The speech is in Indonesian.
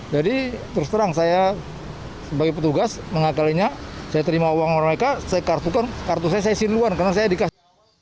jadi terus terang saya sebagai petugas mengakalinya saya terima uang mereka saya kartukan kartu saya siluan karena saya dikasih